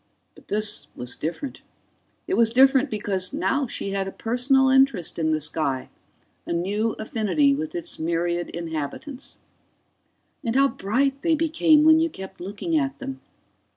But this was different. It was different because now she had a personal interest in the sky, a new affinity with its myriad inhabitants. And how bright they became when you kept looking at them!